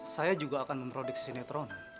saya juga akan memproduksi sinetron